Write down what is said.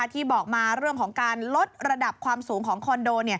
ที่บอกมาเรื่องของการลดระดับความสูงของคอนโด